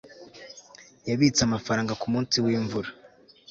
yabitse amafaranga kumunsi wimvura